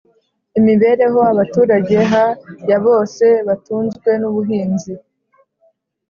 Imibereho Abaturage ha ya bose batunzwe n ubuhinzi